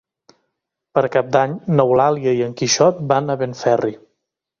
Per Cap d'Any n'Eulàlia i en Quixot van a Benferri.